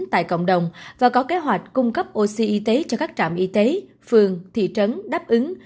tại cộng đồng và có kế hoạch cung cấp oxy y tế cho các trạm y tế phường thị trấn đáp ứng